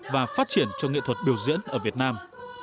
và phát triển cho nghệ thuật biểu diễn ở việt nam